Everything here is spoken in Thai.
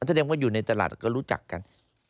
อันที่เดียวว่าอยู่ในตลาดก็รู้จักกัน